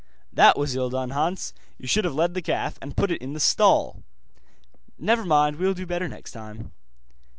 'That was ill done, Hans, you should have led the calf, and put it in the stall.' 'Never mind, will do better next time.